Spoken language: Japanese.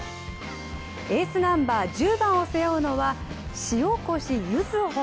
エースナンバー１０番を背負うのは塩越柚歩。